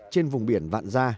trên vùng biển vạn gia